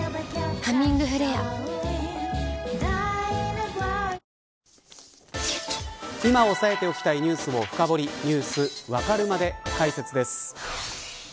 「ハミングフレア」今押さえておきたいニュースを深掘りＮｅｗｓわかるまで解説です。